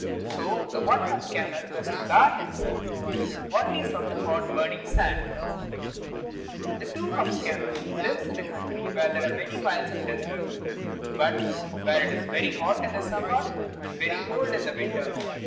So the One Hump camel has to guard himself only from the hot burning sand. The Two Humps camel lives in a country where there are also many miles of desert, but where it is very hot in the summer and very cold in the winter.